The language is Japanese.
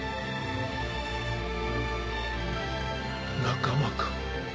仲間か。